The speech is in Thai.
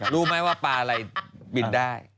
รู้ไหมว่าปลาอะไรบินได้